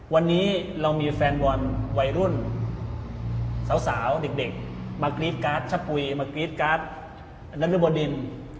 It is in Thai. วันนี้เรามีแฟนบอลวัยรุ่นสาวเด็กมากรี๊ดการ์ดชะปุ๋ยมากรี๊ดการ์ดนรบดิน